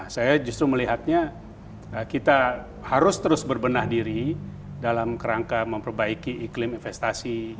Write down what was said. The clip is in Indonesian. saya justru melihatnya kita harus terus berbenah diri dalam kerangka memperbaiki iklim investasi